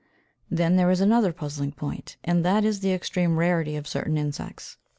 Then there is another puzzling point, and that is the extreme rarity of certain insects.